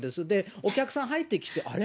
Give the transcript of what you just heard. お客さん入ってきて、あれ？